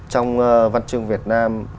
trong văn chương việt nam